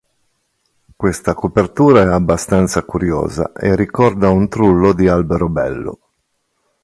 Questa copertura è abbastanza curiosa e ricorda un trullo di Alberobello.